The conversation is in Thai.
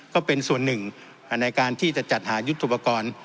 ก็เป็นส่วนหนึ่งในการที่จะจัดหายุทธุปกรณ์